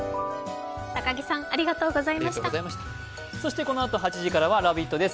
このあと８時からは「ラヴィット！」です。